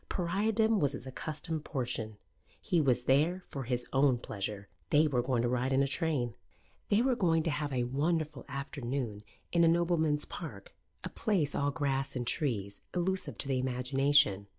Pariahdom was his accustomed portion. He was there for his own pleasure. They were going to ride in a train. They were going to have a wonderful afternoon in a nobleman's park, a place all grass and trees, elusive to the imagination.